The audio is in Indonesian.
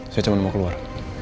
saya cuman mau keluar